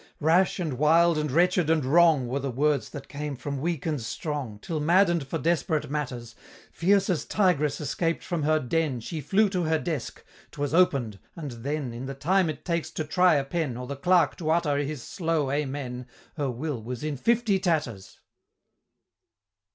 Rash, and wild, and wretched, and wrong, Were the words that came from Weak and Strong, Till madden'd for desperate matters, Fierce as tigress escaped from her den, She flew to her desk 'twas open'd and then, In the time it takes to try a pen, Or the clerk to utter his slow Amen, Her Will was in fifty tatters!